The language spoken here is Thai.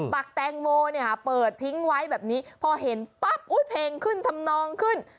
ตักแตงโมเนี่ยเปิดทิ้งไว้แบบนี้พอเห็นปั๊บเพลงขึ้นทำนองขึ้น